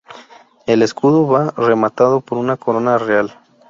El escudo va rematado por una corona real.